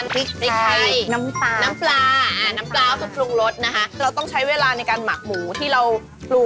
พริกไทยน้ำปลาน้ำปลาน้ำปลาน้ำปลาน้ำปลาน้ำปลา